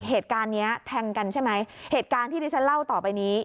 เหตุการณ์เนี้ยแทงกันใช่ไหมเหตุการณ์ที่ดิฉันเล่าต่อไปนี้